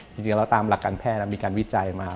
จริงแล้วตามหลักการแพทย์มีการวิจัยมา